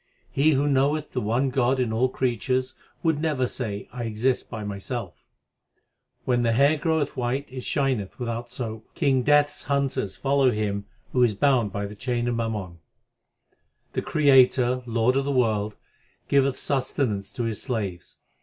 1 He who knoweth the one God in all creatures would never say I exist by myself . K. When the hair groweth white, it shineth without soap. King Death s hunters follow him who is bound by the chain of mammon. 2 K1I. The Creator, Lord of the world, giveth sustenance to His slaves.